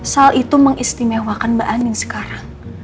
sal itu mengistimewakan mbak anin sekarang